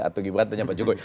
atau gibran tanya pak jokowi